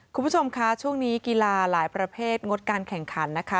คุณผู้ชมคะช่วงนี้กีฬาหลายประเภทงดการแข่งขันนะคะ